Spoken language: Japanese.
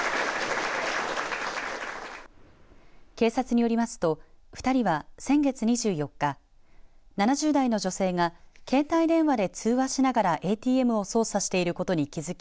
警察によりますと２人は先月２４日７０代の女性が携帯電話で通話しながらＡＴＭを操作していることに気づき